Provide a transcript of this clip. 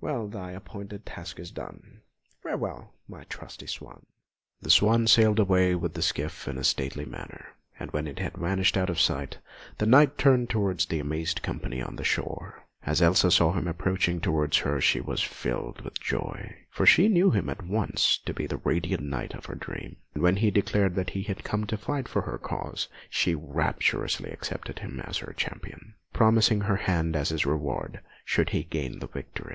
Well thy appointed task is done; Farewell, my trusty swan!" The swan then sailed away with the skiff in a stately manner, and when it had vanished out of sight, the Knight turned towards the amazed company on the shore. As Elsa saw him approaching towards her she was filled with joy, for she knew him at once to be the radiant Knight of her dream, and when he declared that he had come to fight for her cause, she rapturously accepted him as her Champion, promising her hand as his reward should he gain the victory.